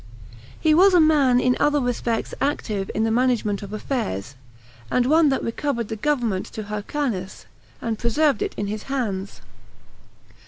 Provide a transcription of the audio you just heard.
He was a man in other respects active in the management of affairs, and one that recovered the government to Hyrcanus, and preserved it in his hands.